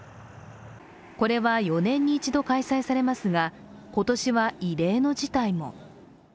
これは４年に一度開催されますが今年は異例の事態も。